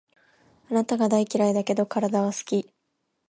あなたが大嫌いだけど、体は好き